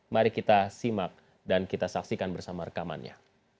mari kita simak dan kita saksikan bersama rekamannya